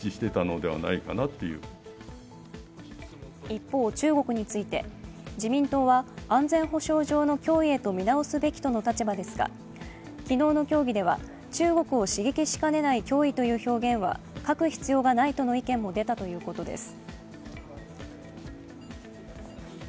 一方、中国について、自民党は、安全保障上の脅威へと見直すべきとの立場ですが、昨日の協議では中国を刺激しかねないという表現は書く必要がないとの意見も出たとのことです。